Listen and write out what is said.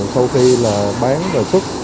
sau khi là bán rồi xuất